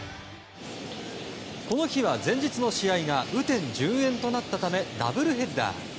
この日は、前日の試合が雨天順延となったためダブルヘッダー。